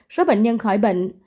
số bệnh nhân khỏi bệnh